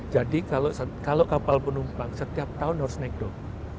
jadi kalau kapal penumpang setiap tahun harus naik dong